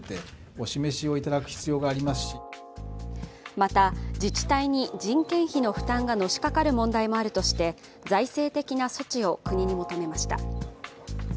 また、自治体に人件費の負担がのしかかり問題もあるとして財政的な措置を国に求めました。